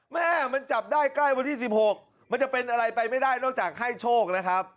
แม่มันจับได้ใกล้วันที่๑๖มันจะเป็นอะไรไปไม่ได้นอกจากให้โชคนะครับ